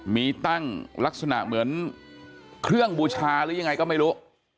มีตั้งลักษณะเหมือนเครื่องบูชาหรือยังไงก็ไม่รู้